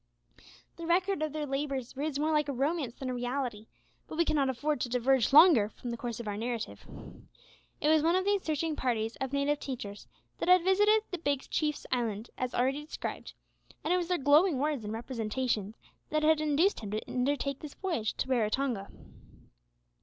The record of their labours reads more like a romance than a reality, but we cannot afford to diverge longer from the course of our narrative. It was one of these searching parties of native teachers that had visited the Big Chief's island as already described, and it was their glowing words and representations that had induced him to undertake this voyage to Raratonga.